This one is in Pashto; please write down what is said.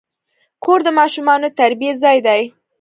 کور د ماشومانو د تربیې ځای دی.